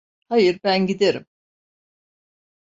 Hayır, ben giderim.